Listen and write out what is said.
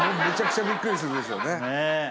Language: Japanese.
めちゃくちゃびっくりするでしょうね